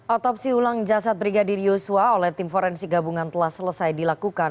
otopsi ulang jasad brigadir yosua oleh tim forensik gabungan telah selesai dilakukan